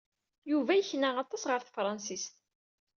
Yuba yekna aṭas ɣer tefṛensist.